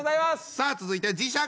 さあ続いて磁石！